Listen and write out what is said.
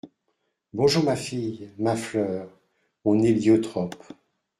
Bonjour ma fille… ma fleur, mon héliotrope !